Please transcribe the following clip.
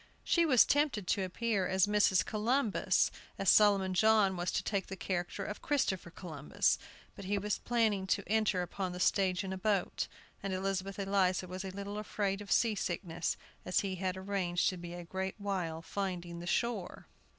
She was tempted to appear as Mrs. Columbus, as Solomon John was to take the character of Christopher Columbus; but he was planning to enter upon the stage in a boat, and Elizabeth Eliza was a little afraid of sea sickness, as he had arranged to be a great while finding the shore.